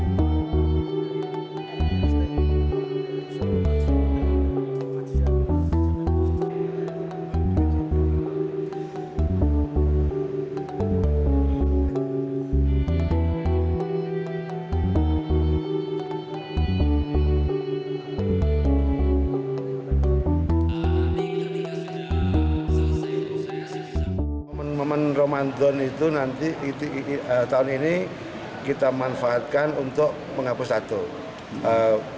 momen momen romantun itu nanti tahun ini kita manfaatkan untuk menghapus tattoo